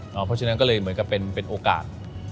เพราะฉะนั้นก็เลยเหมือนกับเป็นโอกาส